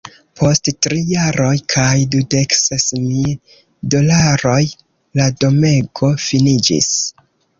Post tri jaroj kaj dudek ses mil dolaroj, la domego finiĝis.